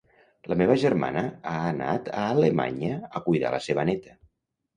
La meva germana ha anat a Alemanya a cuidar la seva neta